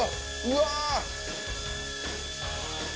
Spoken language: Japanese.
うわ！